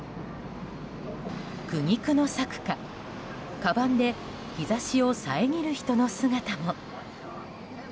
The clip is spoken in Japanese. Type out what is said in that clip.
苦肉の策か、かばんで日差しを遮る人の姿も。